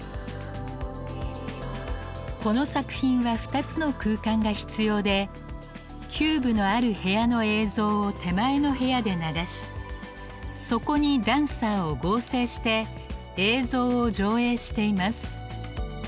この作品は２つの空間が必要でキューブのある部屋の映像を手前の部屋で流しそこにダンサーを合成して映像を上映しています。